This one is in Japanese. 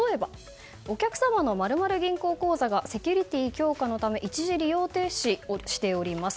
例えば、お客様の○○銀行口座がセキュリティー強化のため一時利用停止しております。